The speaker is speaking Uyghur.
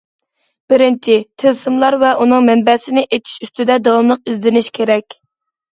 بىرىنچى، تىلسىملار ۋە ئۇنىڭ مەنبەسىنى ئېچىش ئۈستىدە داۋاملىق ئىزدىنىش كېرەك.